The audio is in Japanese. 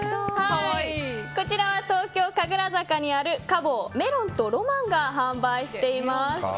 こちらは東京・神楽坂にある果房メロンとロマンが販売しています。